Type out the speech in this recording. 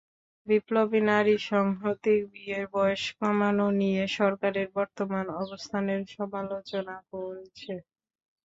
বিপ্লবী নারী সংহতি বিয়ের বয়স কমানো নিয়ে সরকারের বর্তমান অবস্থানের সমালোচনা করেছে।